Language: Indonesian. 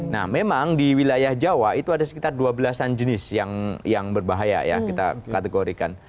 nah memang di wilayah jawa itu ada sekitar dua belas an jenis yang berbahaya ya kita kategorikan